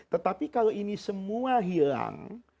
tetapi kalau ini semua hilang